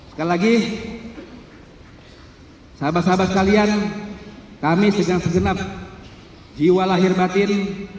sekali lagi sahabat sahabat sekalian kami dengan segenap jiwa lahir batin